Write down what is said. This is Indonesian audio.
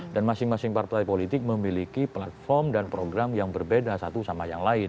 dan masing masing partai politik memiliki platform dan program yang berbeda satu sama yang lain